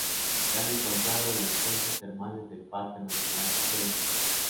Se han encontrado en las fuentes termales de parque nacional de Yellowstone.